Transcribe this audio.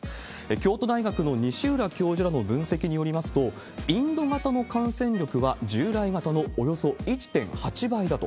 京都大学の西浦教授らの分析によりますと、インド型の感染力は従来型のおよそ１．８倍だと。